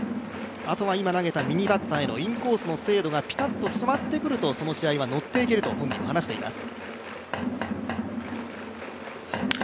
あとは今投げた右バッターへのインコースの精度がピタッとはまるとその試合はノっていけると本人の話しています。